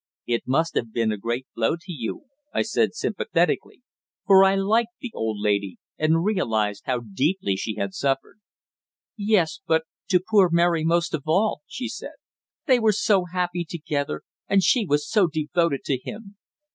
"It must have been a great blow to you," I said sympathetically, for I liked the old lady, and realised how deeply she had suffered. "Yes, but to poor Mary most of all," she said. "They were so happy together; and she was so devoted to him."